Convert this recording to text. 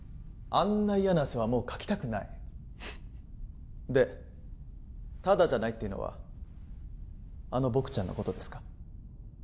あんな嫌な汗はもうかきたくないフフッでタダじゃないっていうのはあのボクちゃんのことですか？